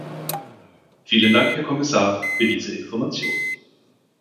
Vielen Dank, Herr Kommissar, für diese Information.